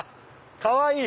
かわいい。